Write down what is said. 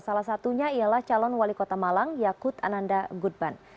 salah satunya ialah calon wali kota malang yakut ananda gutban